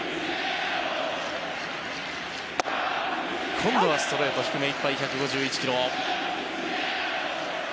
今度はストレート低めいっぱい、１５１ｋｍ。